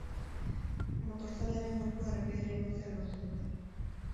Motorzalearen gorpua errepidera igotzea lortu dute.